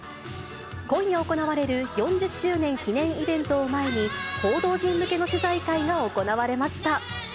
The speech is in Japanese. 今夜行われる４０周年記念イベントを前に、報道陣向けの取材会が行われました。